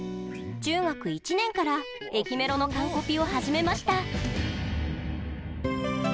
中学１年から駅メロの完コピを始めました。